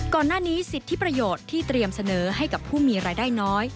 สิทธิประโยชน์ที่เตรียมเสนอให้กับผู้มีรายได้น้อย